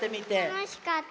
たのしかった。